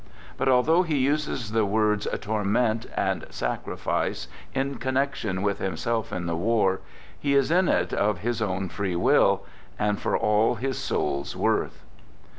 But although he uses the words " torment " and " sacrifice " in con nection with himself in the war, he is in it of his own free will — and for all his soul's worth.